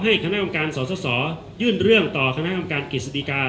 ๒ให้คณะคำการณ์สอสสยื่นเรื่องต่อคณะคำการณ์กฤษฎีกา